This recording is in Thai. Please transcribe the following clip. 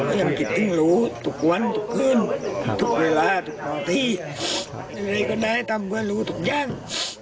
ก็ยังคิดถึงลูกทุกวันทุกคืนทุกเวลาทุกประวัติอะไรก็ได้ตามกว่าลูกทุกอย่าง